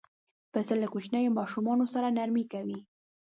پسه له کوچنیو ماشومانو سره نرمي کوي.